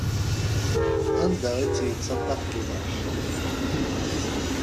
Anda i tt-yettaṭṭaf lweḥc.